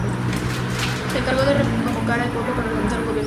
Se encargó de convocar al pueblo para organizar un gobierno estable.